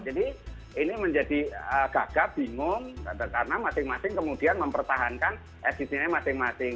jadi ini menjadi gagah bingung karena masing masing kemudian mempertahankan eksistensinya masing masing